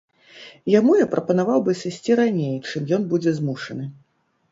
Яму я прапанаваў бы сысці раней, чым ён будзе змушаны.